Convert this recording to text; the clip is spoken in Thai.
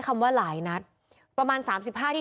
พวกมันต้องกินกันพี่